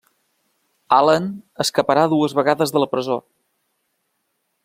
Allen escaparà dues vegades de la presó.